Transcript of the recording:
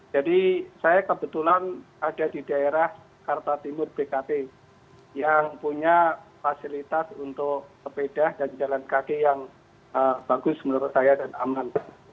jadi saya kebetulan ada di daerah karta timur bkp yang punya fasilitas untuk sepeda dan jalan kaki yang bagus menurut saya dan aman